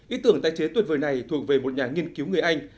ý tưởng tái chế tuyệt vời này thuộc về một nhà nghiên cứu người anh